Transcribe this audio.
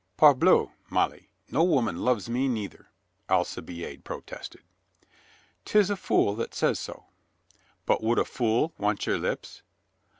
"Parbleu, Molly, no woman loves me neither," Alcibiade protested. " 'Tis a fool that says so." "But would a fool want your lips?"